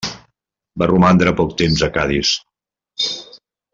Va romandre poc temps a Cadis.